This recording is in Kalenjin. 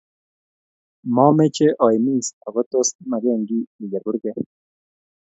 momeche oimis, ako tos imaken kiy iker kurke?